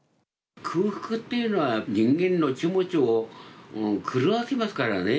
空腹っていうのは、人間の気持ちを狂わせますからね。